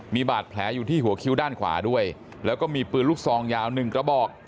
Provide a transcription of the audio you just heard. มีบาดแผลอยู่ที่หัวคิ้วด้านขวาด้วยแล้วก็มีปืนลูกซองยาว๑กระบอก